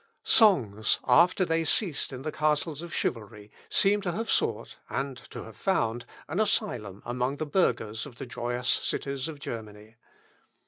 Songs, after they ceased in the castles of chivalry, seem to have sought, and to have found, an asylum among the burghers of the joyous cities of Germany.